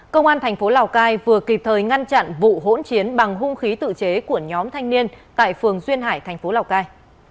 công an thành phố lào cai vừa kịp thời ngăn chặn vụ hỗn chiến bằng hung khí tự chế của nhóm thanh niên tại phường duyên hải thành phố lào cai